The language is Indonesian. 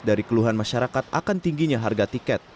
dari keluhan masyarakat akan tingginya harga tiket